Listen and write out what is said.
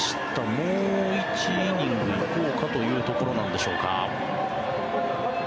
もう１イニング行こうかというところなんでしょうか。